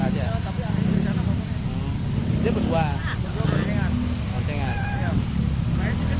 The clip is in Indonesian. dia berdua berdua bertengan